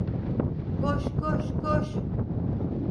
Koş, koş, koş!